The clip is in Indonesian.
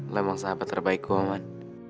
lu emang sahabat terbaik gue man